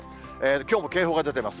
きょうも警報が出てます。